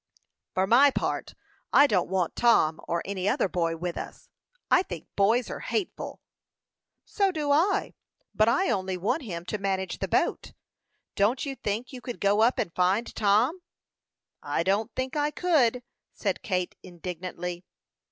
"For my part I don't want Tom, or any other boy with us. I think boys are hateful!" "So do I; but I only want him to manage the boat. Don't you think you could go up and find Tom?" "I don't think I could," said Kate, indignantly.